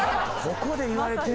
ここで言われて。